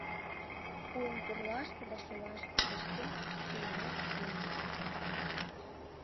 Вуйым пурлашке да шолашке кышкен, шӱемат шумо.